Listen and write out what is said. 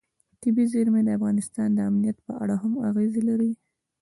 طبیعي زیرمې د افغانستان د امنیت په اړه هم اغېز لري.